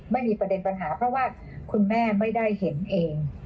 ไม่มีประเด็นปัญหาเพราะว่าคุณแม่ไม่ได้เห็นเอง